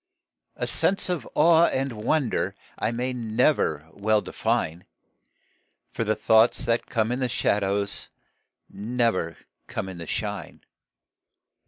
A sense of awe and of wonder I may never well define, For the thoughts that come in the shadows Never come in the shine.